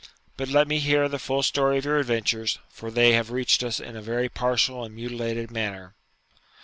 But let me hear the full story of your adventures, for they have reached us in a very partial and mutilated manner.'